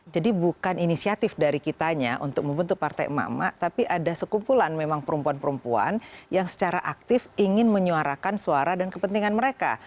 bukan inisiatif dari kitanya untuk membentuk partai emak emak tapi ada sekumpulan memang perempuan perempuan yang secara aktif ingin menyuarakan suara dan kepentingan mereka